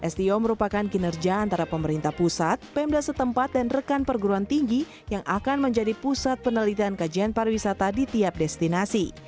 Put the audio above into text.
sto merupakan kinerja antara pemerintah pusat pemda setempat dan rekan perguruan tinggi yang akan menjadi pusat penelitian kajian pariwisata di tiap destinasi